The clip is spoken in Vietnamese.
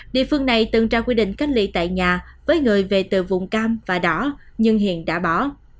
địa phương này từng ra quy định cách ly tại nhà với người về từ vùng cam và đỏ nhưng hiện đã bỏ